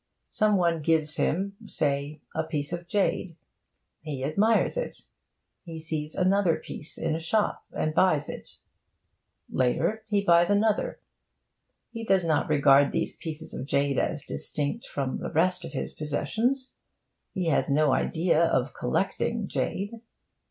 Some one gives him (say) a piece of jade. He admires it. He sees another piece in a shop, and buys it; later, he buys another. He does not regard these pieces of jade as distinct from the rest of his possessions; he has no idea of collecting jade.